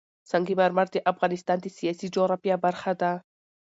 سنگ مرمر د افغانستان د سیاسي جغرافیه برخه ده.